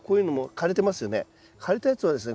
枯れたやつはですね